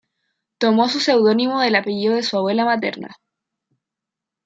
Tomó su seudónimo del apellido de su abuela materna.